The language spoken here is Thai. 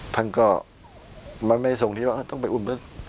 ท่านก็มันไม่ส่งที่ว่าต้องไปอุ่นลึก